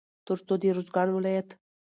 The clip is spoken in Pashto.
تر څو د روزګان ولايت